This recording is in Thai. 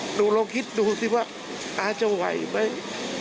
ลองคิดดูสิว่าอาจะไหวไหม